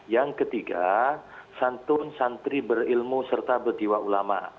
yang ketiga santun santri berilmu serta bertiwa ulama